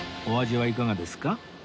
お味はいかがですか？